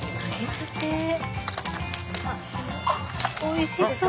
おいしそう。